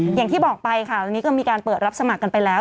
อย่างที่บอกไปค่ะตอนนี้ก็มีการเปิดรับสมัครกันไปแล้ว